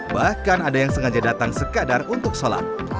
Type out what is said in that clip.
bahkan ada yang sengaja datang sekadar untuk sholat